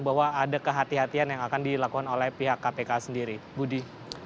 bahwa ada kehatian kehatian yang akan dilakukan oleh pihak kpk sendiri budi